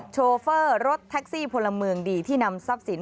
โชเฟอร์รถแท็กซี่พลเมืองดีที่นำทรัพย์สิน